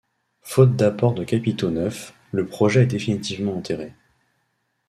Faute d'apport de capitaux neufs, le projet est définitivement enterré.